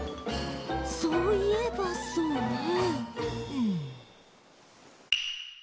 そういえばそうねえ。